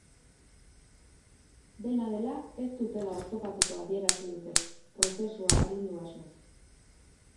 Dena dela, ez dutela oztopatuko adierazi dute, prozesua arindu asmoz.